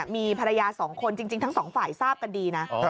มีภรรยา๒คนจริงทั้งสองฝ่ายทราบกันดีนะ